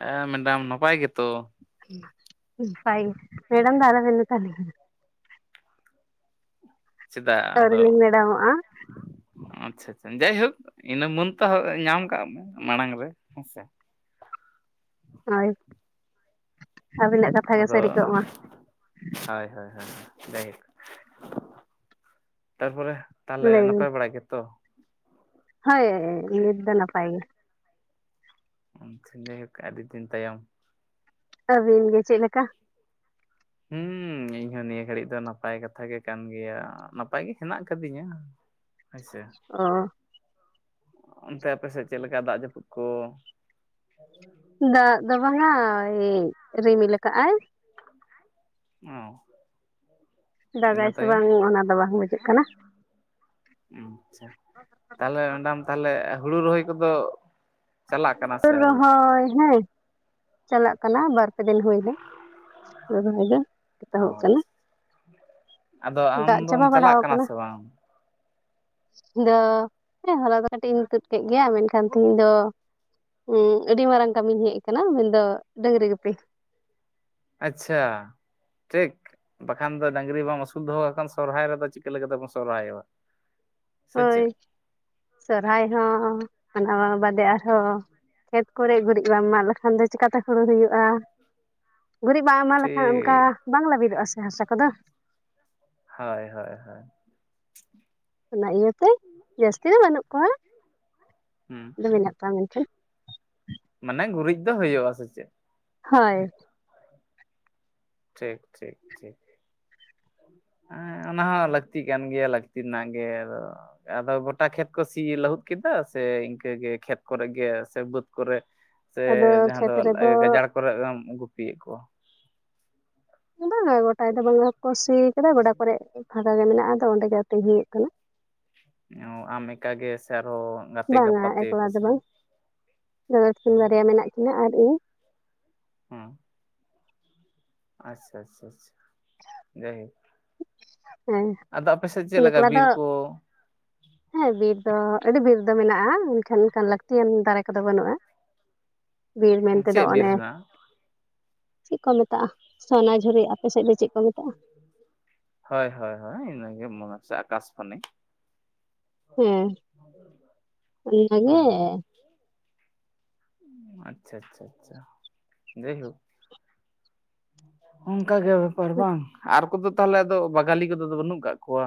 ᱦᱮᱸ ᱢᱮᱰᱟᱢ ᱱᱟᱯᱟᱭ ᱜᱮᱛᱚ ᱱᱟᱯᱟᱭ ᱢᱮᱰᱟᱢ ᱫᱟ ᱟᱞᱚᱵᱮᱱ ᱢᱮᱛᱟ ᱞᱤ ᱪᱮᱫᱟᱜ ᱟᱫᱚ ᱟᱪᱷᱟ ᱟᱪᱷᱟ ᱡᱟᱭᱦᱳᱠ ᱤᱱᱟᱹ ᱢᱟᱹᱱ ᱛᱚ ᱧᱟᱢ ᱠᱟᱜ ᱢᱮ ᱢᱟᱲᱟᱝ ᱨᱮ ᱦᱮᱸᱥᱮ ᱦᱳᱭ ᱟᱹᱵᱤᱱᱟᱜ ᱠᱟᱛ ᱟᱫᱚ ᱦᱚᱭ ᱦᱚᱭ ᱡᱟᱭᱦᱚᱠ ᱛᱟᱨᱯᱚᱨᱮ ᱛᱟᱦᱞᱮ ᱞᱟᱹᱭ ᱵᱤᱱ ᱱᱟᱯᱟᱭ ᱵᱟᱲᱟᱭ ᱜᱮᱛᱚ ᱦᱳᱭ ᱱᱤᱫ ᱫᱚ ᱱᱟᱯᱟᱭ ᱜᱮ ᱡᱟᱹᱭ ᱦᱚᱠ ᱟᱹᱰᱤ ᱫᱤᱱ ᱛᱟᱭᱚᱢ ᱟᱹᱵᱤᱱ ᱜᱮ ᱪᱮᱫ ᱞᱮᱠᱟ ᱦᱩᱸ ᱤᱧᱦᱚ ᱱᱤᱭᱟᱹ ᱜᱷᱟᱹᱲᱤᱡ ᱫᱚ ᱱᱟᱯᱟᱭ ᱠᱟᱛᱷᱟ ᱜᱮ ᱠᱟᱱ ᱜᱮᱭᱟ ᱱᱟᱯᱟᱭ ᱜᱮ ᱦᱮᱱᱟᱜ ᱟᱠᱟᱫᱤᱧᱟ ᱦᱚᱭᱥᱮ ᱚ ᱚᱱᱛᱮ ᱟᱯᱮ ᱥᱮᱫ ᱪᱮᱫ ᱞᱮᱠᱟ ᱫᱟᱜ ᱡᱟᱹᱯᱩᱫ ᱠᱚ ᱫᱟᱜ ᱫᱚ ᱵᱟᱝᱟᱭ ᱨᱤᱢᱤᱞ ᱟᱠᱟᱜ ᱟᱭ ᱚᱸ ᱫᱟᱜᱟᱭ ᱥᱮ ᱵᱟᱝ ᱚᱱᱟ ᱫᱚ ᱵᱟᱝ ᱵᱩᱡᱷᱟᱹᱜ ᱠᱟᱱᱟ ᱟᱪᱷᱟ ᱛᱟᱦᱞᱮ ᱢᱮᱰᱟᱢ ᱛᱟᱦᱞᱮ ᱦᱩᱲᱩ ᱨᱚᱦᱚᱭ ᱠᱚᱫᱚ ᱪᱟᱞᱟᱜ ᱠᱟᱱᱟ ᱥᱮ [unintelligible] ᱟᱹᱣᱨᱤ ᱚ ᱨᱚᱦᱚᱭ ᱦᱮᱸ ᱪᱟᱞᱟᱜ ᱠᱟᱱᱟ ᱵᱟᱨᱯᱮ ᱫᱤᱱ ᱦᱩᱭ ᱮᱱᱟ ᱨᱚᱭ ᱫᱚ ᱮᱛᱚᱦᱚᱵ ᱠᱟᱱᱟ ᱟᱪᱷᱟ ᱟᱫᱚ ᱟᱢ ᱫᱟᱜ ᱫᱚᱢ ᱪᱟᱵᱟ ᱪᱟᱞᱟᱜ ᱵᱟᱲᱟᱣ ᱠᱟᱱᱟ ᱥᱮ ᱵᱟᱝ ᱤᱧ ᱫᱚ ᱦᱚᱞᱟ ᱫᱚ ᱠᱟᱹᱴᱤᱡ ᱤᱧ ᱛᱩᱫ ᱠᱮᱫ ᱜᱮᱭᱟ ᱢᱮᱱᱠᱷᱟᱱ ᱛᱤᱦᱤᱧ ᱫᱚ ᱦᱩᱸ ᱟᱹᱰᱤ ᱢᱟᱨᱟᱝ ᱠᱟᱹᱢᱤᱧ ᱦᱮᱡ ᱟᱠᱟᱱᱟ ᱢᱮᱱᱫᱚ ᱰᱟᱹᱟᱝᱜᱨᱤ ᱜᱩᱯᱤ ᱟᱪᱪᱷᱟ ᱴᱷᱤᱠ ᱵᱟᱠᱷᱟᱱ ᱫᱚ ᱰᱟᱹᱝᱜᱨᱤ ᱵᱟᱢ ᱟᱹᱥᱩᱞ ᱫᱚᱦᱚ ᱠᱟᱜ ᱠᱷᱟᱱ ᱥᱚᱨᱦᱟᱭ ᱨᱮᱫᱚ ᱪᱤᱠᱟᱹ ᱞᱮᱠᱟᱛᱮ ᱵᱚᱱ ᱥᱚᱨᱦᱟᱭᱚᱜᱼᱟ ᱥᱮ ᱦᱳᱭ ᱪᱮᱫ ᱥᱚᱨᱦᱟᱭ ᱦᱚᱸ ᱟᱨ ᱱᱚᱣᱟ ᱵᱟᱫᱮ ᱟᱨᱦᱚᱸ ᱠᱷᱮᱛ ᱠᱚᱨᱮ ᱜᱩᱨᱤᱡ ᱵᱟᱢ ᱢᱟᱜ ᱞᱮᱠᱷᱟᱱ ᱫᱚ ᱪᱤᱠᱟᱛᱮ ᱦᱩᱲᱩ ᱦᱩᱭᱩᱜᱼᱟ ᱜᱩᱨᱤᱡ ᱵᱟᱝ ᱮᱢᱟᱜ ᱞᱮᱠᱷᱟᱱ ᱚᱱᱠᱟ ᱴᱷᱤᱠ ᱵᱟᱝ ᱞᱟᱹᱵᱤᱫᱚᱜᱼᱟ ᱥᱮ ᱦᱟᱥᱟ ᱠᱚᱫᱚ ᱦᱳᱭ ᱦᱳᱭ ᱦᱳᱭ ᱚᱱᱟ ᱤᱭᱟᱹᱛᱮ ᱡᱟᱹᱥᱛᱤ ᱫᱚ ᱵᱟᱹᱱᱩᱜ ᱠᱚᱣᱟ ᱦᱩᱸ ᱫᱚ ᱢᱮᱱᱟᱜ ᱠᱚᱣᱟ ᱢᱮᱱᱛᱷᱮᱡ ᱢᱟᱱᱮ ᱜᱩᱨᱤᱡ ᱫᱚ ᱦᱩᱭᱩᱜᱼᱟ ᱥᱮ ᱪᱮᱫ ᱦᱚᱭ ᱴᱷᱤᱠ ᱴᱷᱤᱠ ᱴᱷᱤᱠ ᱦᱮᱸ ᱚᱱᱟ ᱦᱚᱸ ᱞᱟᱹᱠᱛᱤᱜ ᱠᱟᱱ ᱜᱮᱭᱟ ᱞᱟᱹᱠᱛᱤ ᱨᱮᱱᱟᱜ ᱜᱮ ᱟᱫᱚ ᱟᱫᱚ ᱜᱚᱴᱟ ᱠᱷᱮᱛ ᱠᱚ ᱥᱤ ᱞᱟᱹᱦᱩᱫ ᱠᱮᱫᱟ ᱥᱮ ᱤᱱᱠᱟᱹ ᱜᱮ ᱠᱷᱮᱛ ᱠᱚᱨᱮ ᱜᱮ ᱥᱮ ᱵᱟᱹᱫᱽ ᱠᱚᱨᱮ ᱥᱮ ᱟᱫᱚ ᱡᱟᱦᱟᱸ ᱫᱚ ᱠᱷᱮᱛ ᱨᱮᱫᱚ ᱜᱟᱡᱟᱲ ᱠᱚᱨᱮᱢ ᱜᱩᱯᱤᱭᱮᱫ ᱠᱚᱣᱟ ᱵᱟᱝᱟ ᱜᱚᱴᱟ ᱫᱚ ᱵᱟᱝᱞᱟ ᱠᱚ ᱥᱤ ᱠᱟᱫᱟ ᱜᱚᱰᱟ ᱠᱚᱨᱮ ᱯᱷᱟᱸᱠᱟ ᱜᱮ ᱢᱮᱱᱟᱜᱼᱟ ᱟᱫᱚ ᱚᱸᱰᱮ ᱜᱮ ᱟᱛᱤᱧ ᱦᱩᱭᱩᱜ ᱠᱟᱱᱟ [unintelligible] ᱟᱢ ᱮᱠᱟ ᱜᱮ ᱥᱮ ᱟᱨᱦᱚᱸ ᱜᱟᱛᱮ ᱵᱟᱝᱟ ᱜᱟᱯᱟᱛᱮ ᱮᱠᱞᱟ ᱫᱚ ᱥᱮᱱ ᱵᱟᱝ ᱫᱟᱫᱟ ᱛᱟᱠᱤᱱ ᱵᱟᱨᱭᱟ ᱢᱮᱱᱟᱜ ᱠᱤᱱᱟ ᱟᱨ ᱤᱧ ᱦᱚᱸ ᱟᱪᱪᱷᱟ ᱟᱪᱪᱷᱟ ᱟᱪᱪᱷᱟ ᱡᱟᱭᱦᱮ ᱦᱮᱸ ᱟᱫᱚ ᱟᱯᱮ ᱥᱮᱫ ᱪᱮᱫ ᱞᱮᱠᱟ ᱮᱠᱞᱟ ᱫᱚ ᱵᱤᱨ ᱠᱚ ᱦᱮᱸ ᱵᱤᱨ ᱫᱚ ᱟᱹᱰᱤ ᱵᱤᱨ ᱫᱚ ᱢᱮᱱᱟᱜᱼᱟ ᱢᱮᱱᱠᱷᱟᱱ ᱚᱱᱠᱟᱱ ᱞᱟᱹᱠᱛᱤᱭᱟᱱ ᱫᱟᱨᱮ ᱠᱚᱫᱚ ᱵᱟᱹᱱᱩᱜᱼᱟ ᱵᱤᱨ ᱢᱮᱱᱛᱮ ᱫᱚ ᱪᱮᱫ ᱵᱤᱨ ᱚᱱᱮ ᱦᱮᱱᱟᱜᱼᱟ? ᱪᱮᱫ ᱠᱚ ᱢᱮᱛᱟᱜᱼᱟ ᱥᱚᱱᱟ ᱡᱷᱩᱨᱤ ᱟᱯᱮ ᱥᱮᱫ ᱫᱚ ᱪᱮᱫ ᱠᱚ ᱢᱮᱛᱟᱜᱼᱟ? ᱦᱳᱭ ᱦᱳᱭ ᱦᱳᱭ ᱤᱱᱟᱹᱜᱮ ᱢᱚᱱᱮ ᱦᱚᱪᱪᱷᱮ ᱟᱠᱟᱥ ᱵᱟᱱᱤ ᱦᱮᱸ ᱚᱱᱟᱜᱮ ᱦᱮᱸ ᱟᱪᱪᱷᱟ ᱟᱪᱪᱷᱟ ᱟᱪᱪᱷᱟ ᱡᱟᱭᱦᱳᱠ ᱚᱱᱠᱟᱜᱮ ᱵᱮᱯᱟᱨ ᱵᱟᱝ ᱟᱨ ᱠᱚᱫᱚ ᱛᱟᱦᱚᱞᱮ ᱟᱫᱚ ᱵᱟᱜᱟᱞᱤ ᱠᱚᱫᱚ ᱟᱫᱚ ᱵᱟᱹᱱᱩᱜ ᱠᱟᱜ ᱠᱚᱣᱟ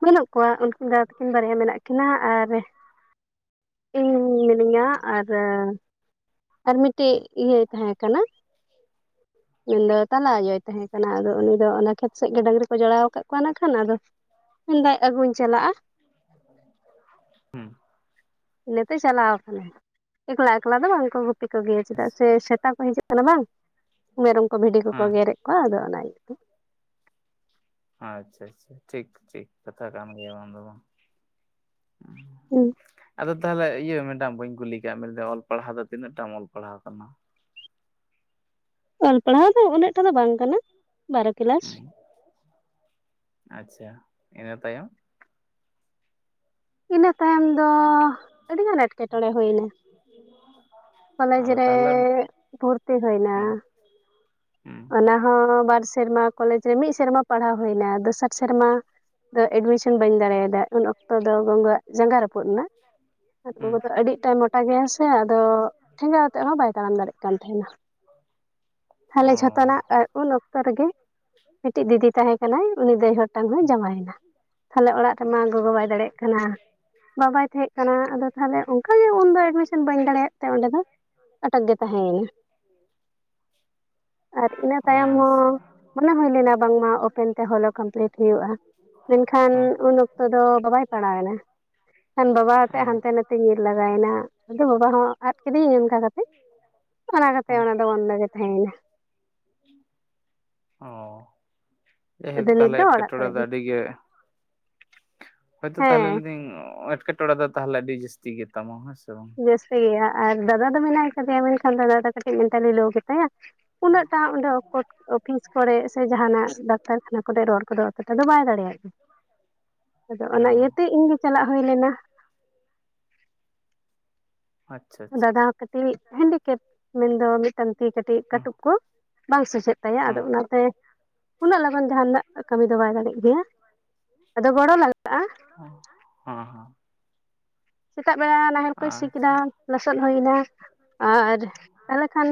ᱵᱟᱹᱱᱩᱜ ᱠᱚᱣᱟ ᱩᱱᱠᱤᱱ ᱫᱟᱫᱟ ᱛᱟᱹᱠᱤᱱ ᱵᱟᱨᱭᱟ ᱢᱮᱱᱟᱜ ᱠᱤᱱᱟ ᱟᱨ ᱤᱧ ᱢᱤᱱᱟᱹᱧᱟ ᱟᱨ ᱟᱨ ᱢᱤᱫᱴᱮᱡ ᱤᱭᱟᱹᱭ ᱛᱟᱦᱮᱸ ᱠᱟᱱᱟᱭ ᱢᱮᱱᱫᱚ ᱛᱟᱞᱟ ᱟᱭᱳᱭ ᱛᱟᱦᱮᱸ ᱠᱟᱱᱟ ᱟᱫᱚ ᱩᱱᱤ ᱫᱚ ᱚᱱᱟ ᱠᱷᱮᱛ ᱥᱮ ᱜᱮ ᱰᱟᱹᱝᱨᱤ ᱠᱚ ᱡᱚᱲᱟᱣ ᱟᱠᱟᱫ ᱠᱚᱣᱟ ᱱᱟᱜ ᱠᱷᱟᱱ ᱟᱫᱚ ᱢᱮᱱᱫᱟᱭ ᱟᱹᱜᱩᱧ ᱪᱟᱞᱟᱜᱼᱟ ᱦᱩᱸ ᱤᱱᱟᱹᱛᱮ ᱪᱟᱞᱟᱣ ᱠᱟᱱᱟᱭ ᱮᱠᱞᱟ ᱮᱠᱞᱟ ᱫᱚ ᱵᱟᱝᱠᱚ ᱜᱩᱯᱤ ᱠᱚᱜᱮᱭᱟ ᱪᱮᱫᱟᱜ ᱥᱮ ᱥᱮᱛ ᱥᱮᱛᱟ ᱠᱚ ᱦᱤᱡᱩᱜ ᱠᱟᱱᱟ ᱵᱟᱝ ᱢᱮᱨᱚᱢ ᱠᱚ ᱵᱷᱤᱰᱤ ᱠᱚᱠᱚ ᱦᱮᱸ ᱜᱮᱨᱮᱫ ᱠᱚᱣᱟ ᱟᱫᱚ ᱚᱱᱟ ᱤᱭᱟᱹᱛᱮ ᱟᱪᱪᱷᱟ ᱟᱪᱪᱷᱟ ᱴᱷᱤᱠ ᱴᱷᱤᱠ ᱠᱟᱛᱷᱟ ᱠᱟᱱ ᱜᱮᱭᱟ ᱵᱟᱝ ᱫᱚ ᱵᱟᱝᱸ ᱦᱢ ᱦᱩᱸ ᱟᱫᱚ ᱛᱟᱦᱚᱞᱮ ᱤᱭᱟᱹ ᱢᱮᱰᱟᱢ ᱵᱟᱹᱧ ᱠᱩᱞᱤ ᱠᱟᱜ ᱢᱮᱭᱟ ᱚᱞ ᱯᱟᱲᱦᱟᱣ ᱫᱚ ᱛᱤᱱᱟᱹᱜ ᱴᱟᱢ ᱚᱞ ᱯᱟᱲᱦᱟᱣ ᱟᱠᱟᱱᱟ? ᱚᱞ ᱯᱟᱲᱦᱟᱣ ᱫᱚ ᱩᱱᱟᱹᱜ ᱴᱟ ᱫᱚ ᱵᱟᱝ ᱠᱟᱱᱟ ᱵᱟᱨᱚ ᱠᱮᱞᱟᱥ ᱚᱢ ᱟᱪᱪᱷᱟ ᱤᱱᱟ ᱛᱟᱭᱚᱢ ᱤᱱᱟᱹ ᱛᱟᱭᱚᱢ ᱫᱚ ᱟᱹᱰᱤᱜᱟᱱ ᱮᱴᱠᱮᱴᱚᱬᱮ ᱦᱩᱭᱱᱟ ᱠᱚᱞᱮᱡᱽ ᱟᱫᱚ ᱨᱮ ᱛᱟᱦᱚᱞᱮ ᱵᱷᱩᱨᱛᱤ ᱦᱩᱭᱱᱟ ᱦᱩᱸ ᱦᱩᱸ ᱚᱱᱟᱦᱚᱸ ᱵᱟᱨ ᱥᱮᱨᱢᱟ ᱠᱚᱞᱮᱡᱽ ᱨᱮ ᱢᱤᱫ ᱥᱮᱨᱢᱟ ᱯᱟᱲᱦᱟᱣ ᱦᱩᱭᱱᱟ ᱫᱚᱥᱟᱨ ᱥᱮᱨᱢᱟ ᱫᱚ ᱮᱰᱢᱤᱥᱚᱱ ᱵᱟᱹᱧ ᱫᱟᱲᱮᱭᱟᱫᱟ ᱩᱱ ᱚᱠᱛᱚ ᱫᱚ ᱜᱚᱜᱚ ᱣᱟᱜ ᱡᱟᱸᱜᱟ ᱨᱟᱹᱯᱩᱫ ᱮᱱᱟ, ᱟᱨ ᱦᱩᱸ ᱜᱚᱜᱚ ᱫᱚ ᱟᱹᱰᱤᱜᱴᱟᱭ ᱢᱚᱴᱟ ᱜᱮᱭᱟ ᱥᱮ ᱟᱫᱚ ᱴᱷᱮᱸᱜᱟ ᱟᱛᱮ ᱦᱚᱸ ᱵᱟᱭ ᱛᱟᱲᱟᱢ ᱫᱟᱲᱮᱭᱟᱜ ᱠᱟᱱ ᱛᱟᱦᱮᱱᱟ ᱚ ᱠᱟᱱᱟ ᱟᱨ ᱩᱱ ᱚᱠᱛᱚ ᱨᱮᱜᱮ ᱢᱤᱫᱴᱤᱡ ᱫᱤᱫᱤ ᱛᱟᱦᱮᱸ ᱠᱟᱱᱟᱭ ᱩᱱᱤ ᱫᱟᱹᱭ ᱦᱚᱲ ᱢᱤᱫᱴᱟᱝ ᱦᱚᱸ ᱡᱟᱶᱟᱭᱮᱱᱟ ᱛᱟᱦᱞᱮ ᱚᱲᱟᱜ ᱨᱮᱢᱟ ᱜᱚᱜᱚ ᱵᱟᱭ ᱫᱟᱲᱮᱭᱟᱜ ᱠᱟᱱᱟ ᱵᱟᱵᱟᱭ ᱛᱟᱦᱮᱸ ᱠᱟᱱᱟ ᱟᱫᱚ ᱛᱟᱦᱚᱞᱮ ᱚᱱᱠᱟᱜᱮ ᱩᱱᱫᱚ ᱮᱰᱢᱤᱥᱚᱱ ᱵᱟᱹᱧ ᱫᱟᱲᱮᱭᱟᱜ ᱛᱮ ᱚᱸᱰᱮ ᱫᱚ ᱟᱴᱟᱜᱽ ᱜᱮ ᱛᱟᱦᱮᱸᱭᱮᱱᱟ [inaudible] ᱟᱨ ᱤᱱᱟᱹ ᱛᱟᱭᱚᱢ ᱟᱪᱪᱷᱟ ᱦᱚᱸ ᱢᱚᱱᱮ ᱦᱩᱭ ᱞᱮᱱᱟ ᱵᱟᱝᱢᱟ ᱳᱯᱮᱱ ᱛᱮ ᱦᱳᱞᱚᱳ ᱠᱚᱢᱯᱞᱤᱴ ᱦᱩᱭᱩᱜᱼᱟ ᱢᱮᱱᱠᱷᱟᱱ ᱦᱮᱸ ᱩᱱ ᱚᱠᱛᱚ ᱫᱚ ᱵᱟᱵᱟᱭ ᱯᱟᱲᱟᱣᱱᱟ ᱮᱱᱠᱷᱟᱱ ᱵᱟᱵᱟ ᱟᱛᱮᱫ ᱦᱮᱸ ᱦᱟᱱᱛᱮ ᱱᱟᱛᱮ ᱛᱮ ᱧᱤᱨ ᱞᱟᱜᱟᱭᱮᱱᱟ ᱟᱫᱚ ᱵᱟᱵᱟ ᱦᱚᱸ ᱟᱫ ᱠᱤᱫᱤᱧ ᱚᱱᱠᱟ ᱠᱟᱛᱮ ᱚᱱᱟ ᱠᱟᱛᱮ ᱦᱮᱸ ᱚᱱᱟ ᱫᱚ ᱚᱱᱫᱚ ᱜᱮ ᱛᱟᱦᱮᱸᱭᱮᱱᱟ ᱚ ᱡᱟᱭᱦᱳᱠ ᱟᱫᱚ ᱛᱟᱦᱚᱞᱮ ᱱᱤᱛ ᱫᱚ ᱚᱲᱟᱜ ᱮᱸᱴᱠᱮᱴᱚᱬᱮ ᱠᱚᱨᱮ ᱫᱚ ᱜᱮ ᱟᱹᱰᱤᱜᱮ ᱦᱳᱭᱛᱳ ᱛᱟᱦᱚᱞᱮ ᱦᱮᱸ ᱞᱟᱹᱭ ᱫᱟᱹᱧ ᱮᱴᱠᱮᱴᱚᱸᱲᱮ ᱫᱚ ᱛᱟᱦᱚᱞᱮ ᱟᱹᱰᱤ ᱡᱟᱹᱥᱛᱤ ᱜᱮᱛᱟᱢᱟ ᱦᱮᱸ ᱥᱮ ᱵᱟᱝ ᱡᱟᱹᱥᱛᱤ ᱜᱮᱭᱟ ᱟᱨ ᱫᱟᱫᱟ ᱫᱚ ᱢᱮᱱᱟ ᱠᱟᱫᱮᱭᱟ ᱢᱮᱱᱠᱷᱟᱱ ᱫᱟᱫᱟ ᱫᱚ ᱠᱟᱹᱴᱤᱡ ᱢᱮᱱᱴᱟᱞᱤ ᱞᱳ ᱜᱮᱛᱟᱭᱟ ᱩᱱᱟᱹᱜᱴᱟ ᱚᱸᱰᱮ [unintelligible] [unintelligible] ᱠᱚᱨᱮ ᱥᱮ ᱡᱟᱦᱟᱱᱟᱜ ᱰᱟᱠᱛᱟᱨ ᱠᱷᱟᱱᱟ ᱠᱚᱨᱮ ᱨᱚᱲ ᱠᱚᱫᱚ ᱚᱛᱚ ᱴᱟᱜ ᱫᱚ ᱵᱟᱭ ᱫᱟᱲᱮᱭᱟᱜ ᱜᱮᱭᱟ ᱟᱫᱚ ᱚᱱᱟ ᱚ ᱤᱭᱟᱹᱛᱮ ᱤᱧᱜᱮ ᱪᱟᱞᱟᱜ ᱦᱩᱭ ᱞᱮᱱᱟ ᱟᱪᱪᱷᱟ ᱟᱪᱪᱷᱟ ᱫᱟᱫᱟ ᱦᱚᱸ ᱠᱟᱹᱴᱤᱡ ᱦᱮᱱᱰᱤᱠᱮᱯ ᱢᱮᱱᱫᱚ ᱢᱤᱫᱴᱟᱝ ᱛᱤ ᱠᱟᱹᱴᱤᱡ ᱦᱮᱸ ᱦᱮᱸ ᱠᱟᱹᱴᱩᱵ ᱠᱚ ᱵᱟᱝ ᱥᱚᱡᱷᱮᱜ ᱛᱟᱭᱟ ᱟᱫᱚ ᱦᱮᱸ ᱚᱱᱟᱛᱮ ᱩᱱᱟᱹᱜ ᱞᱚᱜᱚᱱ ᱡᱟᱦᱟᱱᱟᱜ ᱠᱟᱹᱢᱤ ᱫᱚ ᱵᱟᱭ ᱫᱟᱲᱮᱜ ᱜᱮᱭᱟ ᱟᱫᱚ ᱜᱚᱲᱚ ᱞᱟᱜᱟᱜᱼᱟ ᱦᱚᱸ ᱦᱚᱸ ᱥᱮᱛᱟᱜ ᱵᱮᱲᱟ ᱱᱟᱦᱮᱞ ᱠᱚᱭ ᱥᱤ ᱟᱪᱪᱷᱟ ᱠᱮᱫᱟ ᱞᱚᱥᱚᱫ ᱦᱩᱭ ᱮᱱᱟ ᱟᱨ ᱛᱟᱦᱚᱞᱮ ᱠᱷᱟᱱ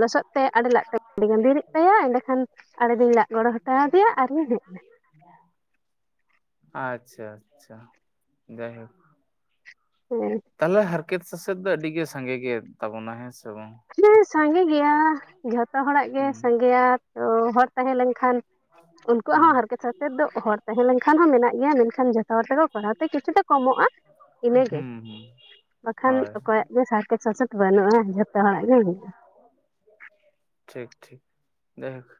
ᱞᱚᱥᱚᱫ ᱛᱮ ᱟᱲᱮ ᱞᱟᱜ ᱛᱮ ᱟᱹᱰᱤᱜᱟᱱ ᱫᱤᱨᱤᱜ ᱛᱟᱭᱟ ᱮᱸᱰᱮᱠᱷᱟᱱ ᱟᱲᱮ ᱫᱩᱧ ᱞᱟᱜ ᱜᱚᱲᱚ ᱦᱚᱴᱚ ᱟᱫᱮᱭᱟ ᱟᱨᱤᱧ ᱦᱮᱡ ᱮᱱᱟ ᱟᱪᱪᱷᱟ ᱟᱪᱪᱷᱟ ᱡᱟᱭᱦᱳᱠ ᱦᱮᱸ ᱛᱟᱦᱚᱞᱮ ᱦᱟᱨᱠᱮᱛ ᱥᱟᱥᱮᱛ ᱫᱚ ᱟᱹᱰᱤ ᱜᱮ ᱥᱟᱸᱜᱮ ᱜᱮ ᱛᱟᱵᱚᱱᱟ ᱦᱮᱸ ᱥᱮ ᱵᱟᱝ ᱦᱮᱸ ᱥᱟᱸᱜᱮ ᱜᱮᱭᱟ ᱡᱷᱚᱛᱚ ᱦᱚᱲᱟᱜ ᱜᱮ ᱦᱩᱸ ᱥᱟᱸᱜᱮᱭᱟ ᱛᱚ ᱦᱚᱲ ᱛᱟᱦᱮᱸ ᱞᱮᱱᱠᱷᱟᱱ ᱩᱱᱠᱩᱣᱟᱜ ᱦᱩᱸ ᱦᱚᱸ ᱦᱟᱨᱠᱮᱛ ᱥᱟᱥᱮᱛ ᱫᱚ ᱦᱚᱲ ᱛᱟᱦᱮᱸ ᱞᱮᱱᱠᱷᱟᱱ ᱦᱚᱸ ᱢᱮᱱᱟᱜ ᱜᱮᱭᱟ ᱢᱮᱱᱠᱷᱟᱱ ᱡᱷᱚᱛᱚ ᱦᱚᱲ ᱛᱮᱠᱚ ᱠᱚᱨᱟᱣ ᱛᱮ ᱠᱤᱪᱷᱩ ᱫᱚ ᱠᱚᱢᱚᱜᱼᱟ ᱦᱩᱸ ᱤᱱᱟᱹᱜᱮ ᱦᱮᱸ ᱵᱟᱠᱷᱟᱱ ᱚᱠᱚᱭᱟᱜ ᱜᱮ ᱦᱟᱨᱠᱮᱛ ᱥᱟᱥᱮᱛ ᱵᱟᱹᱱᱩᱜᱼᱟ ᱡᱷᱚᱛᱚ ᱦᱚᱲᱟᱜ ᱜᱮ ᱢᱮᱱᱟᱜᱼᱟ ᱴᱷᱤᱠ ᱴᱷᱤᱠ ᱡᱟᱭᱦᱳᱠ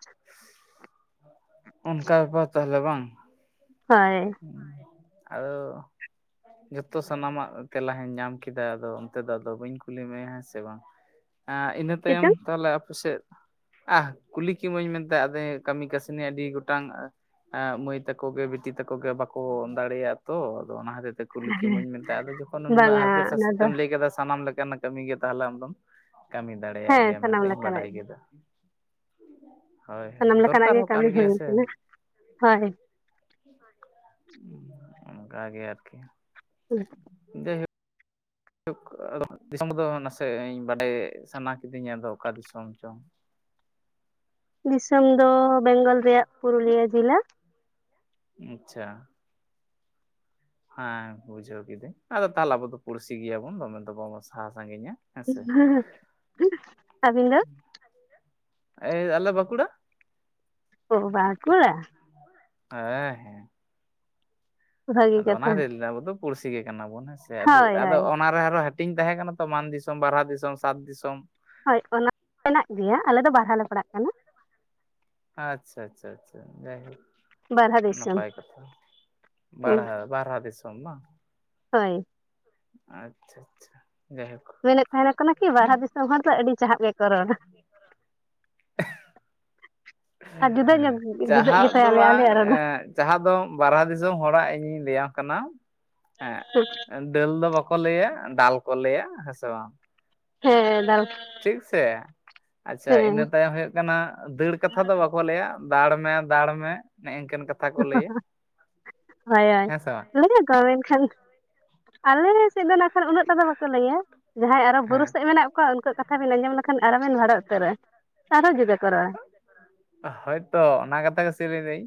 ᱚᱱᱠᱟ ᱵᱮᱯᱟᱨ ᱛᱟᱦᱚᱞᱮ ᱵᱟᱝ ᱦᱳᱭ ᱦᱳᱭ ᱟᱫᱚ ᱡᱚᱛᱚ ᱥᱟᱱᱟᱢᱟᱜ ᱛᱮᱞᱟ ᱦᱚᱧ ᱧᱟᱢ ᱠᱮᱫᱟ ᱟᱫᱚ ᱚᱱᱛᱮ ᱫᱚ ᱟᱫᱚ ᱵᱟᱹᱧ ᱠᱩᱞᱤ ᱢᱮᱭᱟ ᱦᱮᱸ ᱥᱮ ᱵᱟᱝ ᱤᱱᱟᱹ ᱪᱮᱫ ᱛᱟᱭᱚᱢ ᱪᱚᱝ ᱛᱟᱦᱚᱞᱮ ᱟᱯᱮ ᱥᱮᱫ ᱟᱦ ᱠᱩᱞᱤ ᱠᱮᱢᱟᱹᱧ ᱢᱮᱱᱛᱮ ᱟᱫᱚ ᱠᱟᱹᱢᱤ ᱠᱟᱹᱥᱱᱤ ᱟᱹᱰᱤ ᱜᱚᱴᱟᱝ ᱢᱟᱹᱭ ᱛᱟᱠᱚ ᱜᱮ ᱵᱤᱴᱤ ᱛᱟᱠᱚ ᱜᱮ ᱵᱟᱠᱚ ᱫᱟᱲᱮᱭᱟᱜᱼᱟ ᱛᱚ ᱟᱫᱚ ᱚᱱᱟ ᱦᱚᱛᱮᱡ ᱛᱮ ᱠᱩᱞᱤ ᱠᱤᱢᱟᱹᱧ ᱢᱮᱱᱛᱮ ᱟᱫᱚ ᱡᱚᱠᱷᱚᱱ ᱩᱱᱟᱹᱜ ᱵᱟᱝᱟ ᱦᱟᱨᱠᱮᱛ ᱚᱱᱟ ᱫᱚ ᱥᱟᱥᱮᱛᱮᱢ ᱞᱟᱹᱭ ᱠᱮᱫᱟ ᱥᱟᱱᱟᱢ ᱞᱮᱠᱟᱱᱟᱜ ᱠᱟᱹᱢᱤ ᱜᱮ ᱛᱟᱦᱚᱞᱮ ᱟᱢᱫᱚᱢ ᱠᱟᱹᱢᱤ ᱫᱟᱲᱮᱭᱟᱜ ᱦᱮᱸ ᱜᱮᱭᱟ ᱥᱟᱱᱟᱢ ᱢᱮᱱᱛᱤᱧ ᱞᱮᱠᱟᱱᱟᱜ ᱵᱟᱰᱟᱭ ᱜᱮ ᱠᱮᱫᱟ ᱦᱳᱭ ᱦᱳᱭ ᱥᱟᱱᱟᱢ ᱞᱮᱠᱟᱱᱟᱜ ᱫᱚᱨᱠᱟᱨ ᱜᱮ ᱦᱚᱸ ᱠᱟᱱ ᱠᱟᱹᱢᱤ ᱦᱩᱭ ᱜᱮᱭᱟ ᱥᱮ ᱠᱟᱱᱟ ᱦᱳᱭ ᱚᱱᱠᱟ ᱜᱮ ᱟᱨᱠᱤ [unintelligible] [unintelligible] ᱫᱤᱥᱚᱢ ᱫᱚ ᱱᱟᱥᱮ ᱵᱟᱰᱟᱭ ᱥᱟᱱᱟ ᱠᱤᱫᱤᱧᱟ ᱟᱫᱚ ᱚᱠᱟ ᱫᱤᱥᱚᱢ ᱪᱚᱝ ᱫᱤᱥᱚᱢ ᱫᱚ ᱵᱮᱝᱜᱚᱞ ᱨᱮᱭᱟᱜ ᱯᱩᱨᱩᱞᱤᱭᱟᱹ ᱡᱮᱞᱟ ᱟᱪᱪᱷᱟ ᱦᱮᱸ ᱵᱩᱡᱷᱟᱹᱣ ᱠᱤᱫᱟᱹᱧ ᱟᱫᱚ ᱛᱟᱦᱚᱞᱮ ᱟᱵᱚ ᱫᱚ ᱯᱩᱲᱥᱤ ᱜᱮᱭᱟ ᱵᱚᱱ ᱫᱚᱢᱮ ᱫᱚ ᱵᱟᱵᱚᱱ ᱥᱟᱦᱟ ᱥᱟᱺᱜᱤᱧᱟ ᱦᱮᱸᱥᱮ ᱟᱹᱵᱤᱱ ᱫᱚ ᱟᱞᱮ ᱵᱟᱸᱠᱩᱲᱟ ᱚ ᱵᱟᱸᱠᱩᱲᱟ ᱦᱮᱸ ᱦᱮᱸ ᱵᱷᱟᱹᱜᱤ ᱟᱫᱚ ᱚᱱᱟ ᱠᱟᱛᱷᱟ ᱦᱚᱛᱮᱡᱤᱧ ᱞᱮᱭᱫᱟ ᱟᱵᱚ ᱫᱚ ᱯᱩᱲᱥᱤ ᱜᱮ ᱠᱟᱱᱟ ᱵᱚᱱ ᱦᱮᱸ ᱥᱮ ᱦᱳᱭ ᱟᱫᱚ ᱦᱳᱭ ᱚᱱᱟᱨᱮ ᱟᱨᱚ [unintelligible] ᱛᱟᱦᱮᱸ ᱠᱟᱱᱟ ᱛᱚ ᱢᱟᱱ ᱫᱤᱥᱚᱢ ᱵᱟᱨᱦᱟ ᱫᱤᱥᱚᱢ ᱥᱟᱸᱛ ᱫᱤᱥᱚᱢ ᱦᱳᱭ ᱚᱱᱟ ᱢᱮᱱᱟᱜ ᱜᱮᱭᱟ ᱟᱞᱮ ᱫᱚ ᱵᱟᱨᱦᱟ ᱞᱮ ᱯᱟᱲᱟᱜ ᱠᱟᱱᱟ ᱟᱪᱪᱷᱟ ᱟᱪᱪᱷᱟ ᱟᱪᱪᱷᱟ ᱡᱟᱭᱦᱳᱠ ᱵᱟᱨᱦᱟ ᱫᱤᱥᱚᱢ ᱱᱟᱯᱟᱭ ᱠᱟᱛᱷᱟ ᱵᱟᱲᱦᱟ ᱵᱟᱨᱦᱟ ᱫᱤᱥᱚᱢ ᱵᱟᱝ ᱦᱳᱭ ᱟᱪᱪᱷᱟ ᱟᱪᱪᱷᱟ ᱡᱟᱭᱦᱳᱠ ᱢᱮᱱᱮᱫ ᱛᱟᱦᱮᱸᱱᱟ ᱠᱟᱱᱟ ᱠᱤ ᱵᱟᱨᱦᱟ ᱫᱤᱥᱚᱢ ᱦᱚᱲ ᱫᱚ ᱟᱹᱰᱤ ᱪᱟᱦᱟᱵ ᱜᱮᱠᱚ ᱨᱚᱲᱟ [inaudible] ᱟᱨ ᱡᱩᱫᱟᱹ ᱧᱚᱜ ᱡᱩᱫᱟᱹᱜ ᱪᱟᱦᱟᱵ ᱜᱮᱛᱟᱭ ᱫᱚ ᱟᱞᱮ ᱵᱟᱝ ᱟᱞᱮᱭᱟᱜ ᱨᱚᱲ ᱮᱸᱜ [unintelligible] ᱫᱚ ᱵᱟᱨᱦᱟ ᱫᱤᱥᱚᱢ ᱦᱚᱲᱟᱜ ᱤᱧᱤᱧ ᱞᱟᱹᱭᱟᱢ ᱠᱟᱱᱟ [inaudible] ᱫᱟᱹᱞ ᱫᱚ ᱵᱟᱠᱚ ᱞᱟᱹᱭᱟ ᱫᱟᱞ ᱠᱚ ᱞᱟᱹᱭᱟ ᱦᱮᱸ ᱥᱮ ᱵᱟᱝ ᱦᱮᱸ ᱰᱟᱞ ᱴᱷᱤᱠ ᱥᱮ ᱟᱪᱪᱷᱟ ᱤᱱᱟᱹ ᱛᱟᱭᱚᱢ ᱦᱩᱭᱩᱜ ᱠᱟᱱᱟ ᱫᱟᱹᱲ ᱠᱟᱛᱷᱟ ᱫᱚ ᱵᱟᱠᱚ ᱞᱮᱭᱟ ᱫᱟᱲ ᱢᱮ ᱫᱟᱲ ᱢᱮ ᱱᱮ ᱤᱱᱠᱟᱹᱱ ᱠᱟᱛᱷᱟ ᱠᱚ ᱞᱟᱹᱭᱟ ᱦᱳᱭ ᱦᱳᱭ ᱦᱮᱸ ᱥᱮ ᱵᱟᱝ ᱞᱟᱹᱭᱟ ᱠᱚ ᱢᱮᱱᱠᱷᱟᱱ ᱟᱞᱮ ᱥᱮᱫ ᱫᱚ ᱱᱟᱜᱠᱷᱟᱱ ᱩᱱᱟᱹᱜ ᱴᱟ ᱫᱚ ᱵᱟᱠᱚ ᱞᱟᱹᱭᱟ ᱡᱟᱦᱟᱸᱭ ᱟᱨᱚ ᱵᱩᱨᱩ ᱦᱮᱸ ᱥᱮᱫ ᱢᱮᱱᱟᱜ ᱠᱚᱣᱟ ᱩᱱᱠᱩ ᱠᱟᱛᱷᱟ ᱵᱤᱱ ᱟᱸᱡᱚᱢ ᱞᱮᱠᱷᱟᱱ ᱟᱨᱚ ᱵᱤᱱ ᱵᱷᱟᱲᱟ ᱩᱛᱟᱹᱨᱚᱜᱼᱟ ᱟᱨᱚ ᱡᱩᱫᱟᱹ ᱠᱚ ᱨᱚᱲᱟ ᱦᱳᱭᱛᱚ ᱚᱱᱟ ᱠᱟᱛᱷᱟ ᱜᱮ ᱥᱮ ᱞᱟᱹᱭ ᱫᱟᱹᱧ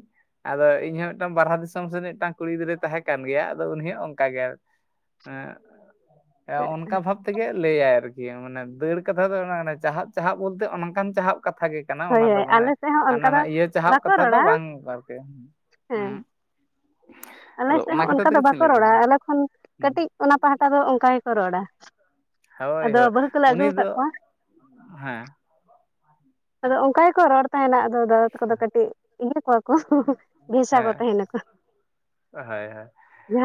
ᱟᱫᱚ ᱤᱧ ᱦᱚᱸ ᱢᱤᱫᱴᱟᱝ ᱵᱟᱨᱦᱟ ᱫᱤᱥᱚᱢ ᱥᱮᱱᱤᱡ ᱢᱤᱫᱴᱟᱝ ᱠᱩᱲᱤ ᱜᱤᱫᱽᱨᱟᱹᱭ ᱛᱟᱦᱮᱸ ᱠᱟᱱ ᱜᱮᱭᱟ ᱟᱫᱚ ᱩᱱᱤ ᱦᱚᱸ ᱚᱝᱠᱟ ᱜᱮ ᱮᱸ ᱚᱱᱠᱟ ᱵᱷᱟᱵ ᱛᱮᱜᱮ ᱞᱟᱹᱭᱟᱭ ᱟᱨ ᱢᱟᱱᱮ ᱫᱟᱹᱲ ᱠᱟᱛᱷᱟ ᱫᱚ ᱪᱟᱦᱟᱜ ᱪᱟᱦᱟᱜ ᱵᱚᱞᱛᱮ ᱚᱱᱠᱟᱱ ᱪᱟᱦᱟᱜ ᱠᱟᱛᱷᱟ ᱜᱮ ᱠᱟᱱᱟ ᱦᱳᱭ ᱚᱱᱟ ᱫᱚ ᱦᱳᱭ ᱢᱟᱱᱮ ᱟᱞᱮ ᱥᱮᱫ ᱦᱚᱸ ᱦᱟᱱᱟ ᱚᱱᱠᱟ ᱱᱟ ᱫᱚ ᱤᱭᱟᱹ ᱪᱟᱦᱟᱵ ᱵᱟᱠᱚ ᱠᱟᱛᱷᱟ ᱫᱚ ᱨᱚᱲᱟ ᱵᱟᱝ ᱟᱨᱠᱤ ᱦᱮᱸ ᱟᱞᱮ ᱟᱫᱚ ᱥᱮᱫ ᱦᱚᱸ ᱚᱱᱟ ᱠᱷᱟᱹᱛᱤᱨ ᱚᱱᱠᱟ ᱫᱚ ᱛᱮᱜᱮ ᱪᱮᱧ ᱵᱟᱠᱚ ᱞᱟᱹᱭ ᱫᱟ ᱨᱚᱲᱟ ᱟᱞᱮ ᱠᱷᱚᱱ ᱦᱩᱸ ᱠᱟᱹᱴᱤᱡ ᱚᱱᱟ ᱯᱟᱦᱴᱟ ᱫᱚ ᱚᱝᱠᱟ ᱜᱮᱠᱚ ᱨᱚᱲᱟ ᱦᱳᱭ ᱟᱫᱚ ᱦᱳᱭ ᱵᱟᱹᱦᱩ ᱠᱚᱞᱮ ᱟᱹᱜᱩ ᱩᱱᱤ ᱠᱟᱜ ᱫᱚ ᱠᱚᱣᱟ ᱦᱮᱸ ᱟᱫᱚ ᱚᱱᱠᱟ ᱜᱮᱠᱚ ᱨᱚᱲ ᱛᱟᱦᱮᱸᱱᱟ ᱟᱫᱚ ᱫᱟᱫᱟ ᱛᱟᱠᱚ ᱫᱚ ᱠᱟᱹᱴᱤᱡ ᱤᱭᱟᱹ ᱠᱚ ᱵᱷᱮᱥᱟ ᱠᱚ ᱦᱮᱸ ᱛᱟᱦᱮᱸ ᱱᱟᱠᱚ ᱦᱳᱭ ᱦᱳᱭ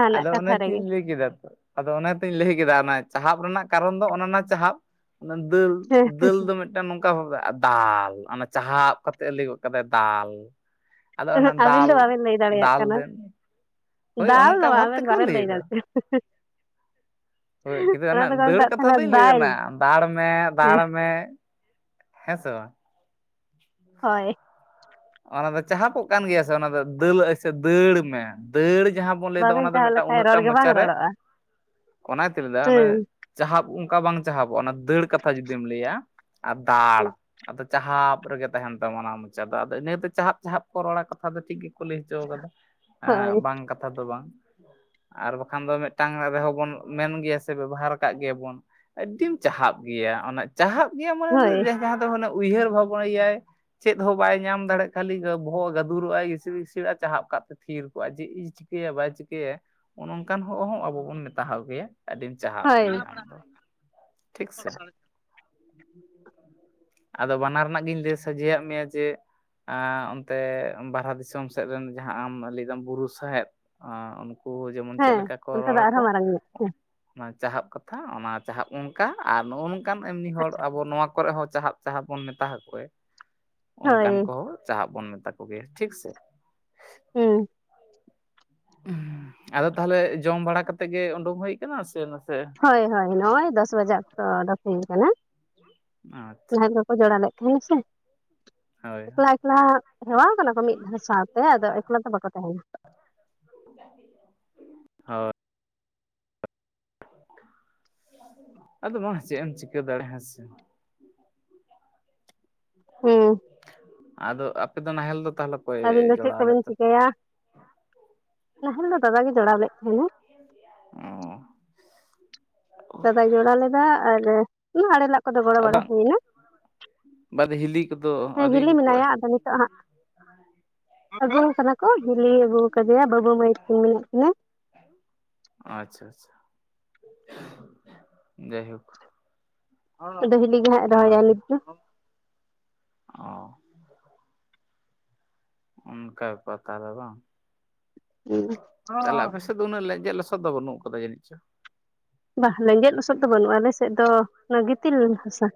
ᱟᱫᱚ ᱠᱟᱛᱷᱟ ᱨᱮᱜᱮ ᱚᱱᱟᱛᱤᱧ ᱞᱟᱹᱭ ᱠᱮᱫᱟ ᱛᱚ ᱟᱫᱚ ᱚᱱᱟ ᱛᱚᱧ ᱞᱟᱹᱭ ᱠᱮᱫᱟ ᱚᱱᱟ ᱪᱟᱦᱟᱵ ᱨᱮᱱᱟᱜ ᱠᱟᱨᱚᱱ ᱫᱚ ᱚᱱᱮ ᱚᱱᱟ ᱪᱟᱦᱟᱵ ᱚᱱᱟ ᱫᱟᱹᱞ ᱦᱮᱸ ᱫᱟᱹᱞ ᱫᱚ ᱢᱤᱫ ᱢᱤᱫᱴᱮᱱ ᱱᱚᱝᱠᱟ ᱵᱷᱟᱵ ᱫᱟᱞᱻ ᱚᱱᱟ ᱪᱟᱦᱟᱵ ᱠᱟᱛᱮ ᱞᱟᱹᱭ ᱜᱚᱫ ᱠᱟᱫᱟᱭ ᱫᱟᱞ ᱟᱫᱚ ᱚᱱᱟ ᱟᱹᱵᱤᱱ ᱫᱟᱞ ᱫᱚ ᱵᱟᱵᱤᱱ ᱞᱟᱹᱭ ᱫᱟᱲᱮᱭᱟᱜ ᱫᱟᱞ ᱠᱟᱱᱟ ᱫᱮᱱ ᱦᱳᱭ ᱫᱟᱞ ᱫᱚ ᱚᱱᱠᱟ ᱵᱟᱝ ᱵᱷᱟᱵ ᱟᱹᱵᱤᱱ ᱛᱮᱠᱚ ᱵᱟᱵᱤᱱ ᱞᱟᱹᱭ ᱫᱟ ᱫᱟᱲᱮᱜ ᱦᱳᱭ ᱠᱤᱱᱛᱩ ᱚᱱᱟ ᱫᱟᱹᱲ ᱠᱟᱛᱷᱟ ᱫᱩᱧ ᱞᱟᱹᱭ ᱠᱟᱱᱟ ᱫᱟᱲ ᱢᱮ ᱫᱟᱲ ᱢᱮ ᱦᱮᱸ ᱥᱮ ᱵᱟᱝ ᱦᱳᱭ ᱚᱱᱟ ᱫᱚ ᱪᱟᱦᱟᱯᱚᱜ ᱠᱟᱱ ᱜᱮᱭᱟ ᱥᱮ ᱚᱱᱟ ᱫᱚ ᱫᱟᱹᱞ ᱥᱮ ᱫᱟᱹᱲ ᱢᱮ ᱫᱟᱹᱲ ᱡᱟᱦᱟᱸ ᱵᱚᱱ ᱞᱟᱹᱭ ᱫᱟ ᱵᱟᱵᱮᱱ ᱚᱱᱟ ᱫᱚ ᱪᱟᱦᱟᱣ ᱢᱤᱫᱴᱟᱝ ᱞᱮᱠᱷᱟᱡ ᱩᱱᱟᱹᱜ ᱴᱟ ᱨᱚᱲ ᱜᱮ ᱵᱟᱝ ᱢᱚᱪᱟ ᱨᱮ ᱨᱚᱲᱚᱜᱼᱟ ᱚᱱᱟ ᱛᱮᱧ ᱞᱟᱹᱭ ᱫᱟ ᱚᱱᱮ ᱦᱮᱸ ᱪᱟᱦᱟᱯ ᱚᱝᱠᱟ ᱵᱟᱝ ᱪᱟᱦᱟᱵᱚᱜᱼᱟ ᱚᱱᱟ ᱫᱟᱹᱲ ᱠᱟᱛᱷᱟ ᱡᱩᱫᱤᱢ ᱞᱟᱹᱭᱟ ᱟᱨ ᱫᱟᱲ ᱟᱫᱚ ᱪᱟᱦᱟᱯ ᱨᱮᱜᱮ ᱛᱟᱦᱮ‌ᱸᱱ ᱛᱟᱢᱟ ᱚᱱᱟ ᱢᱚᱪᱟ ᱫᱚ ᱟᱫᱚ ᱤᱱᱟᱹ ᱛᱮ ᱪᱟᱦᱟᱯ ᱪᱟᱦᱟᱯ ᱠᱚ ᱨᱚᱲᱟ ᱠᱟᱛᱷᱟ ᱫᱚ ᱴᱷᱤᱠ ᱜᱮᱠᱚ ᱞᱟᱹᱭ ᱦᱚᱪᱚ ᱠᱟᱫᱟ ᱮ ᱦᱳᱭ ᱵᱟᱝ ᱠᱟᱛᱷᱟ ᱫᱚ ᱵᱟᱝ ᱟᱨ ᱵᱟᱠᱷᱟᱱ ᱫᱚ ᱢᱤᱫᱴᱟᱝ ᱨᱮᱦᱚᱸ ᱵᱚᱱ ᱢᱮᱱ ᱜᱮᱭᱟ ᱥᱮ ᱵᱮᱵᱚᱦᱟᱨ ‌‌ᱠᱟᱜ ᱜᱮᱭᱟ ᱵᱚᱱ ᱟᱹᱰᱤᱢ ᱪᱟᱦᱟᱵ ᱜᱮᱭᱟ ᱚᱱᱟ ᱪᱟᱦᱟᱯ ᱜᱮᱭᱟ ᱦᱳᱭ ᱢᱟᱱᱮ ᱡᱟᱦᱟᱸ ᱫᱚ ᱢᱟᱱᱮ ᱩᱭᱦᱟᱹᱨ ᱵᱷᱟᱵᱚᱭᱟᱭ ᱪᱮᱫ ᱦᱚᱸ ᱵᱟᱭ ᱧᱟᱢ ᱫᱟᱲᱮᱜ ᱠᱷᱟᱹᱞᱤ ᱵᱚᱦᱚᱜ ᱜᱟᱹᱫᱩᱨᱚᱜ ᱟᱭ ᱤᱥᱤᱲ ᱤᱥᱤᱲ ᱟ ᱪᱟᱦᱟᱵ ᱠᱟᱜ ᱛᱮ ᱛᱷᱤᱨ ᱠᱚᱜᱼᱟ ᱡᱮᱭ ᱪᱤᱠᱟᱹᱭᱟ ᱵᱟᱭ ᱪᱤᱠᱟᱹᱭᱟ ᱚᱱᱚ ᱚᱝᱠᱟᱱ ᱦᱚ ᱦᱚᱸ ᱟᱵᱚ ᱵᱚᱱ ᱢᱮᱛᱟ ᱜᱮᱭᱟ ᱟᱹᱰᱤ ᱪᱟᱦᱟᱯ ᱦᱳᱭ ᱜᱮᱭᱟ ᱟᱢ ᱫᱚ ᱴᱷᱤᱠ ᱥᱮ ᱟᱫᱚ ᱵᱟᱱᱟᱨ ᱨᱮᱱᱟᱜ ᱜᱤᱧ ᱞᱟᱹᱭ ᱥᱚᱡᱷᱮᱭᱟᱜ ᱢᱮᱭᱟ ᱡᱮ ᱟᱸ ᱚᱱᱛᱮ ᱵᱟᱨᱦᱟ ᱫᱤᱥᱚᱢ ᱥᱮᱫ ᱨᱮᱱ ᱡᱟᱦᱟᱸ ᱟᱢ ᱞᱟᱹᱭ ᱫᱟᱢ ᱵᱩᱨᱩ ᱥᱟᱸᱦᱮᱫ ᱦᱳ ᱡᱮᱢᱚᱱ ᱪᱮᱫ ᱦᱮᱸ ᱞᱮᱠᱟ ᱠᱚ ᱚᱱᱛᱮ ᱨᱚᱲ ᱫᱚ ᱟᱠᱚ ᱟᱨᱦᱚᱸ ᱢᱟᱨᱟᱝ ᱧᱚᱜ ᱚᱱᱟ ᱪᱟᱦᱟᱯ ᱠᱟᱛᱷᱟ ᱚᱱᱟ ᱪᱟᱦᱟᱯ ᱚᱱᱠᱟ ᱟᱨ ᱱᱚᱜᱼᱚ ᱱᱚᱝᱠᱟᱱ ᱮᱢᱱᱤ ᱦᱚᱲ ᱟᱵᱚ ᱱᱚᱣᱟ ᱠᱚᱨᱮ ᱦᱚᱸ ᱪᱟᱦᱟᱜ ᱪᱟᱦᱟ ᱵᱚᱱ ᱢᱮᱛᱟᱠᱚᱮ ᱦᱳᱭ ᱚᱱᱠᱟᱱ ᱪᱟᱦᱟᱵ ᱵᱚᱱ ᱢᱮᱛᱟ ᱠᱚ ᱜᱮᱭᱟ ᱴᱷᱤᱠ ᱥᱮ ᱦᱮᱸ ᱟᱫᱚ ᱛᱟᱦᱚᱞᱮ ᱡᱚᱢ ᱵᱟᱲᱟ ᱠᱟᱛᱮᱜ ᱜᱮ ᱩᱰᱩᱠ ᱦᱩᱭ ᱟᱠᱟᱱᱟ ᱥᱮ ᱱᱟᱥᱮ ᱦᱳᱭ ᱦᱳᱭ ᱱᱚᱜᱼᱚᱭ ᱫᱚᱥ ᱵᱟᱡᱟᱜ ᱚᱠᱛᱚ ᱚᱰᱚᱠ ᱦᱩᱭ ᱟᱠᱟᱱᱟ ᱟᱪᱪᱷᱟ ᱚᱱᱟᱤᱞᱳ ᱚ ᱡᱚᱲᱟ ᱞᱮᱫ ᱛᱟᱦᱮᱸᱱᱟᱼᱟ ᱥᱮ ᱦᱳᱭ ᱮᱠᱞᱟ ᱮᱠᱞᱟ ᱦᱮᱣᱟ ᱠᱟᱱᱟ ᱠᱚ ᱢᱤᱫ ᱫᱷᱟᱣ ᱥᱟᱶᱛᱮ ᱟᱫᱚ ᱮᱠᱞᱟ ᱫᱚ ᱵᱟᱠᱚ ᱛᱟᱦᱮᱱᱟ [inaudible] ᱦᱳᱭ ᱟᱫᱚ ᱵᱟᱝ ᱪᱮᱫ ᱮᱢ ᱪᱤᱠᱟᱹ ᱫᱟᱲᱮᱭᱟᱜᱼᱟ ᱦᱮᱸ ᱥᱮ ᱦᱮᱸ [inaudible] ᱟᱫᱚ ᱟᱯᱮ ᱫᱚ ᱱᱟᱦᱮᱞ ᱫᱚ ᱛᱟᱦᱚᱞᱮ ᱚᱠᱚᱭ ᱟᱹᱵᱤᱱ ᱫᱚ ᱪᱮᱫ ᱡᱚᱲᱟᱣ ᱞᱮᱫ ᱠᱚᱵᱤᱱ ᱛᱟᱯᱮ ᱪᱤᱠᱟᱹᱭᱟ ᱱᱟᱦᱮᱞ ᱫᱚ ᱫᱟᱫᱟ ᱜᱮ ᱡᱚᱲᱟᱣ ᱞᱮᱫ ᱛᱟᱦᱮᱱᱟ ᱚ ᱫᱟᱫᱟᱭ ᱡᱚᱲᱟ ᱞᱮᱫᱟ ᱟᱨ ᱚᱱᱟ ᱟᱲᱮ ᱞᱟᱜ ᱠᱚᱫᱚ ᱜᱚᱲᱚ ᱵᱟᱲᱟ ᱵᱟᱝ ᱦᱩᱭᱱᱟ ᱵᱟᱫᱮ ᱦᱤᱞᱤ ᱠᱚᱫᱚ ᱦᱮᱸ ᱟᱹᱣᱨᱤ ᱦᱤᱞᱤ ᱟᱹᱜᱩ ᱠᱚᱣᱟᱭ ᱢᱮᱱᱟᱭᱟ ᱟᱫᱚ ᱱᱤᱛᱚᱜ ᱦᱟᱸᱜ ᱟᱹᱜᱩ ᱠᱟᱫᱟ ᱠᱚ ᱦᱤᱞᱤ ᱟᱹᱜᱩ ᱠᱟᱫᱮᱭᱟ ᱵᱟᱹᱵᱩ ᱢᱟᱹᱭ ᱛᱤᱱ ᱢᱮᱱᱟᱜ ᱠᱤᱱᱟ ᱟᱪᱪᱷᱟ ᱟᱪᱪᱷᱟ ᱡᱟᱭᱦᱳᱠ ᱟᱫᱚ‌ ᱤᱞᱤ ᱜᱮ ᱦᱟᱸᱜ ᱨᱚᱦᱚᱭ ᱟᱭ ᱚᱱᱟᱜᱮ ᱱᱤᱛ ᱫᱚ ᱚ ᱚᱱᱠᱟ ᱵᱮᱯᱟᱨ ᱛᱟᱦᱞᱮ ᱫᱚ ᱵᱟᱝ ᱛᱟᱦᱚᱞᱮ ᱟᱯᱮᱥᱮᱫ ᱩᱱᱟᱹᱜ ᱞᱮᱡᱮᱫ ᱞᱚᱥᱚᱫ ᱫᱚ ᱵᱟᱹᱱᱩᱜ ᱟᱠᱟᱫᱟ ᱡᱟᱹᱱᱤᱡ ᱪᱚ ᱵᱷᱟᱟᱜ ᱞᱮᱸᱡᱮᱫ ᱞᱚᱥᱚᱫ ᱫᱚ ᱵᱟᱹᱱᱩᱜᱼᱟ ᱟᱞᱮᱥᱮᱫ ᱫᱚ ᱚᱱᱟ ᱜᱤᱛᱤᱞ ᱦᱟᱥᱟ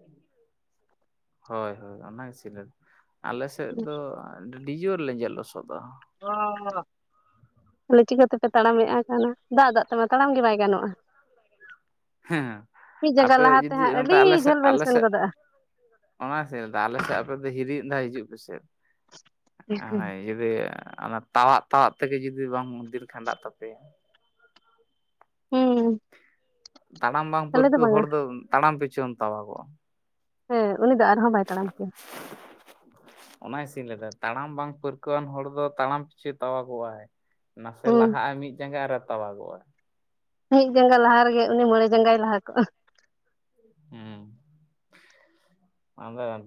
ᱦᱳᱭ ᱦᱳᱭ ᱚᱱᱟᱜᱮ ᱥᱮᱧ ᱞᱟᱹᱭ ᱫᱟ ᱟᱞᱮ ᱥᱮᱫ ᱫᱚ ᱟᱹᱰᱤ ᱡᱳᱨ ᱞᱮᱡᱮᱨ ᱞᱚᱥᱚᱫᱟ [inaudible] ᱛᱟᱦᱚᱞᱮ ᱪᱤᱠᱟᱹᱛᱮᱯᱮ ᱛᱟᱲᱟᱢᱮᱫ ᱠᱟᱱᱟ ᱫᱟᱜ ᱫᱟᱜ ᱛᱮᱢᱟ ᱛᱟᱲᱟᱢ ᱜᱮ ᱵᱟᱭ ᱜᱟᱱᱚᱜᱼᱟ ᱦᱮᱸ ᱢᱤᱫ ᱡᱟᱸᱜᱟ ᱟᱯᱮ ᱞᱟᱦᱟᱛᱮ ᱡᱩᱫᱤ ᱦᱟᱸᱜ ᱚᱱᱛᱮ ᱟᱹᱰᱤ ᱟᱞᱮ ᱥᱮᱫ ᱡᱷᱟᱹᱞ ᱵᱮᱱ ᱟᱞᱮ ᱥᱮᱱ ᱥᱮᱫ ᱜᱚᱫᱚᱜᱼᱟ ᱚᱱᱟ ᱥᱮ ᱟᱞᱮ ᱥᱮᱫ ᱟᱯᱮ ᱫᱚ ᱦᱤᱨᱤ ᱢᱤᱫ ᱫᱷᱟᱣ ᱦᱤᱡᱩᱜ ᱯᱮᱥᱮ ᱡᱩᱫᱤ ᱚᱱᱟ ᱛᱟᱣᱟᱜ ᱛᱟᱣᱟᱜ ᱛᱮᱜᱮ ᱡᱩᱫᱤ ᱵᱟᱝ ᱫᱤᱱ ᱠᱷᱟᱸᱰᱟᱜ ᱛᱟᱯᱮᱭᱟ ᱦᱩᱸ ᱛᱟᱲᱟᱢ ᱵᱟᱝ ᱟᱞᱮ ᱯᱟᱹᱨᱠᱟᱹᱣ ᱵᱟᱝᱟ ᱦᱚᱲ ᱫᱚ ᱛᱟᱲᱟᱢ ᱯᱤᱪᱷᱩᱢ ᱛᱟᱣᱟ ᱜᱚᱜᱼᱟ ᱦᱮᱸ ᱩᱱᱤ ᱫᱚ ᱟᱨᱦᱚᱸ ᱵᱟᱭ ᱛᱟᱲᱟᱢ ᱠᱮᱭᱟ ᱚᱱᱟ ᱜᱤᱥᱤᱧ ᱞᱟᱭᱮᱫᱟ ᱛᱟᱲᱟᱢ ᱵᱟᱝ ᱯᱟᱹᱨᱠᱟᱹᱣᱟᱱ ᱦᱚᱲ ᱫᱚ ᱛᱟᱲᱟᱢ ᱯᱤᱪᱷᱩ ᱛᱟᱣᱟ ᱜᱚᱜᱼᱟᱭ ᱱᱟᱥᱮ ᱦᱩᱸ ᱞᱟᱦᱟᱜᱼᱟ ᱢᱤᱫ ᱡᱟᱸᱜᱟ ᱟᱨ ᱛᱟᱣᱟᱜᱚᱜᱼᱟ ᱢᱤᱫ ᱡᱟᱸᱜᱟ ᱞᱟᱦᱟ ᱨᱮᱜᱮ ᱩᱱᱤ ᱢᱚᱬᱮ ᱡᱟᱸᱜᱟᱭ ᱞᱟᱦᱟ ᱠᱚᱜᱼᱟ ᱦᱩᱸ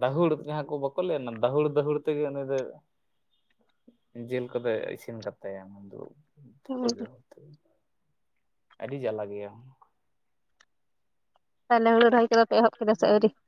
ᱫᱟᱦᱩᱲ ᱡᱟᱦᱟ ᱵᱟᱝ ᱠᱚ ᱞᱟᱹᱭ-ᱟ ᱫᱟᱦᱩᱲ ᱫᱟᱦᱩᱲ ᱛᱮᱜᱮ ᱩᱱᱤ ᱫᱚᱭ ᱡᱤᱞ ᱠᱚᱫᱚ ᱤᱥᱤᱱ ᱠᱟᱛᱟᱭᱟ ᱩᱱ ᱫᱚ [unintelligible] ᱟᱹᱰᱤ ᱡᱟᱞᱟ ᱜᱮᱭᱟ ᱛᱟᱦᱚᱞᱮ ᱦᱩᱲᱩ ᱨᱚᱦᱚᱭ ᱠᱚᱫᱚᱯᱮ ᱮᱦᱚᱵ ᱠᱮᱫᱟ ᱥᱮ ᱟᱹᱣᱨᱤ